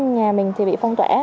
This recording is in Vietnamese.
nhà mình thì bị phong tỏa